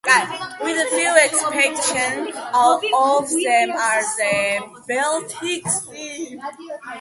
With a few exceptions, all of them are on the Baltic Sea.